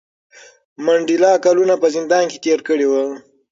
منډېلا کلونه په زندان کې تېر کړي وو.